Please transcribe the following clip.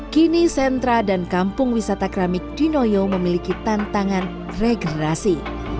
kini sentra dan kampung wisata keramik di noyo memiliki tantangan regenerasi